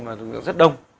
mà lực lượng rất đông